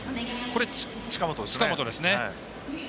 これ、近本ですね。